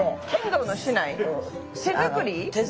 手作り？